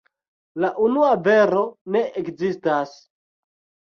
La unua vero ne ekzistas.